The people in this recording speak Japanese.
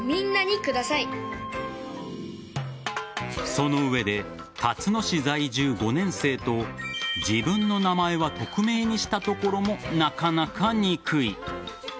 その上でたつの市在住５年生と自分の名前は匿名にしたところもなかなかにくい。